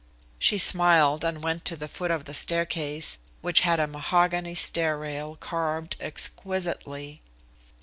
She smiled and went to the foot of the staircase, which had a mahogany stair rail carved exquisitely.